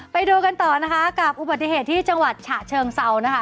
ไปดูกันต่อนะคะกับอุบัติเหตุที่จังหวัดฉะเชิงเซานะคะ